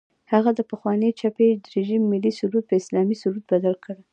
هغه د پخواني چپي رژیم ملي سرود په اسلامي سرود بدل کړي.